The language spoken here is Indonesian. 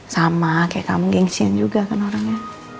sama kayak kamu gengsian juga kan orangnya